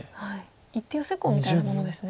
一手ヨセコウみたいなものですね。